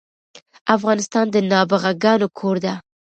افغانستان د نابغه ګانو کور ده